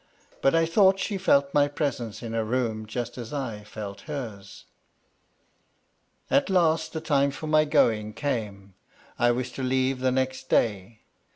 But I thought she felt my presence in a room just as I felt hers. At last the time for my going came. I was to leave the next day.